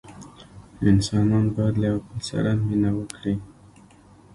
انسانان باید له یوه بل سره مینه وکړي.